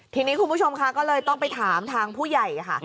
ทีนี้คุณผู้ชมค่ะก็เลยต้องไปถามทางผู้ใหญ่ค่ะ